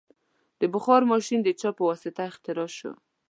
د بخار ماشین د چا په واسطه اختراع شو؟